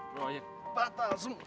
mau gue aktif